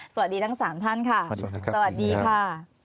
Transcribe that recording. สวัสดีทั้งสามท่านค่ะสวัสดีค่ะ